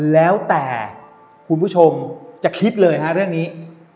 แล้วแต่คุณผู้ชมจะคิดเลยฮะเรื่องนี้